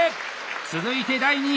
続いて第２位！